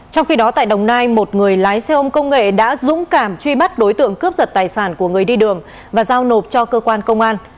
trong khi đó tại đồng nai một người lái xe ôm công nghệ đã dũng cảm truy bắt đối tượng cướp giật tài sản của người đi đường và giao nộp cho cơ quan công an